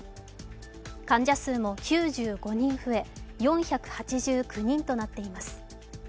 患者数も９５人増え、４８９人となっています。